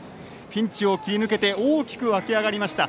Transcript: ピンチを切り抜けて大きく湧き上がりました。